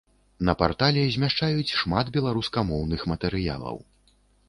На партале змяшчаюць шмат беларускамоўных матэрыялаў.